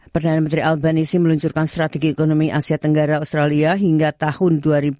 perdana menteri alghanisi meluncurkan strategi ekonomi asia tenggara australia hingga tahun dua ribu dua puluh